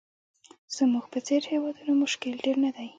زموږ په څېر هېوادونو مشکل ډېر نه دي.